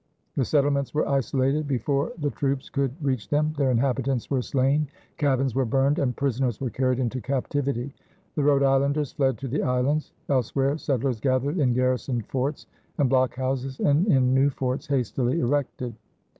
The settlements were isolated before the troops could reach them, their inhabitants were slain, cabins were burned, and prisoners were carried into captivity. The Rhode Islanders fled to the islands; elsewhere settlers gathered in garrisoned forts and blockhouses and in new forts hastily erected.